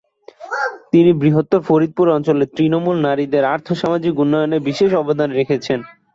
তিনি বৃহত্তর ফরিদপুর অঞ্চলের তৃণমূল নারীদের আর্থ-সামাজিক উন্নয়নে বিশেষ অবদান রেখেছেন।